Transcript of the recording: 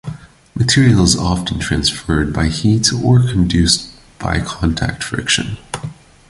Material is often transferred by heat or induced by contact friction.